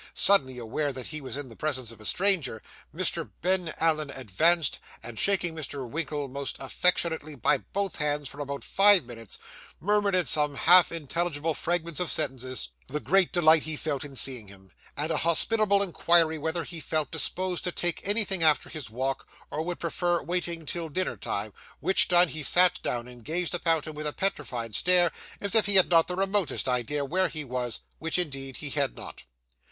Suddenly aware that he was in the presence of a stranger, Mr. Ben Allen advanced and, shaking Mr. Winkle most affectionately by both hands for about five minutes, murmured, in some half intelligible fragments of sentences, the great delight he felt in seeing him, and a hospitable inquiry whether he felt disposed to take anything after his walk, or would prefer waiting 'till dinner time;' which done, he sat down and gazed about him with a petrified stare, as if he had not the remotest idea where he was, which indeed he had not.